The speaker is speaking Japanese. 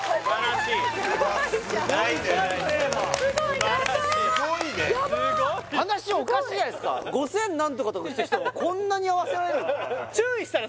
すごいすごいすごいすごいやばっやばっ話おかしいじゃないですか「５０００何とか」とかした人がこんなに合わせられるの？